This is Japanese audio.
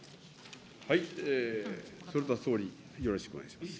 それでは総理、よろしくお願いします。